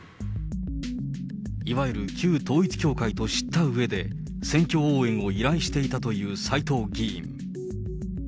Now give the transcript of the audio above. いわゆる旧統一教会と知ったうえで、選挙応援を依頼していたという斎藤議員。